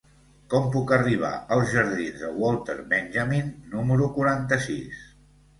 Com puc arribar als jardins de Walter Benjamin número quaranta-sis?